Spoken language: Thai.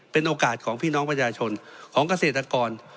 เป็นโอกาสของพี่น้องประชาชนของเกษตรกร